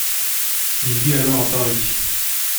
Il vit alors à Paris.